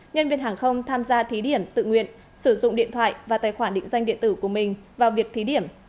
nhân viên hàng không tham gia thí điểm tự nguyện sử dụng điện thoại và tài khoản định danh điện tử của mình vào việc thí điểm